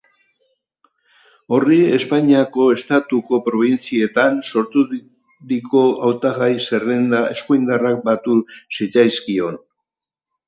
Horri Espainiako estatuko probintzietan sorturiko hautagai zerrenda eskuindarrak batu zitzaizkion.